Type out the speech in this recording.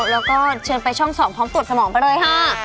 แล้วก็เชิญไปช่อง๒พร้อมตรวจสมองไปเลยค่ะ